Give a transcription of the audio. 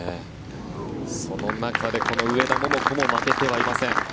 その中でこの上田桃子も負けてはいません。